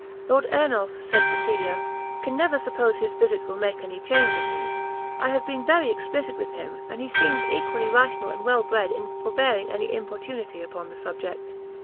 "Lord Ernolf," said Cecilia, "can never suppose his visit will make any change in me; I have been very explicit with him, and he seemed equally rational and well bred in forbearing any importunity upon the subject."